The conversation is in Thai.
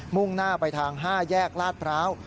่งหน้าไปทาง๕แยกลาดพร้าว